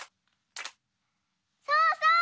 そうそう！